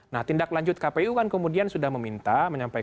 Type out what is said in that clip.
nah tindak lanjut kpu kan kemudian sudah meminta